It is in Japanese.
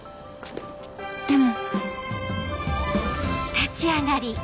でも